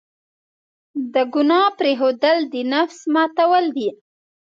د ګناه پرېښودل، د نفس ماتول دي.